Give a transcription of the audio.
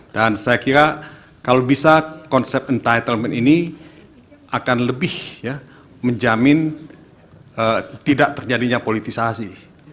dan saya kira kalau bisa konsep entitlement ini akan lebih menjamin tidak terjadinya politisasi